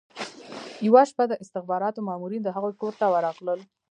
یوه شپه د استخباراتو مامورین د هغوی کور ته ورغلل